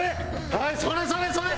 はいそれそれそれ！